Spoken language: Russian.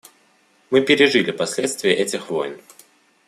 Мы пережили последствия этих войн.